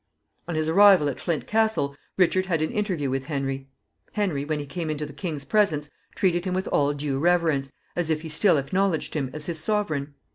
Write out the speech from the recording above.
On his arrival at Flint Castle,[J] Richard had an interview with Henry. Henry, when he came into the king's presence, treated him with all due reverence, as if he still acknowledged him as his sovereign.